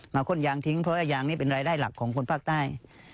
ข้นยางทิ้งเพราะว่ายางนี้เป็นรายได้หลักของคนภาคใต้